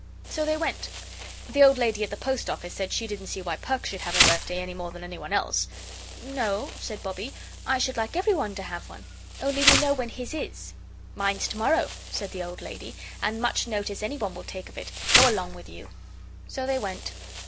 So they went. The old lady at the Post office said she didn't see why Perks should have a birthday any more than anyone else. "No," said Bobbie, "I should like everyone to have one. Only we know when his is." "Mine's to morrow," said the old lady, "and much notice anyone will take of it. Go along with you." So they went.